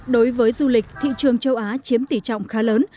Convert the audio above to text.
đối với du lịch thị trường châu á chiếm tỷ trọng khá lớn